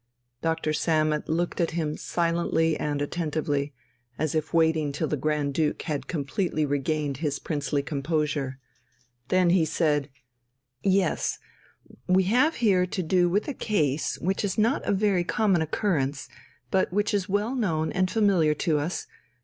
Dr. Sammet looked at him silently and attentively, as if waiting till the Grand Duke had completely regained his princely composure. Then he said: "Yes; we have here to do with a case which is not of very common occurrence, but which is well known and familiar to us.